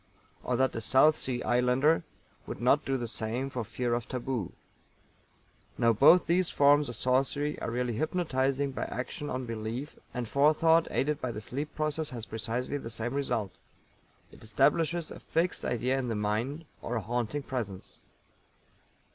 Or that a South Sea Islander would not do the same for fear of taboo. Now both these forms of sorcery are really hypnotizing by action on belief, and Forethought aided by the sleep process has precisely the same result it establishes a fixed idea in the mind, or a haunting presence.